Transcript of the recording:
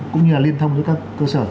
cũng như là liên thông với các cơ sở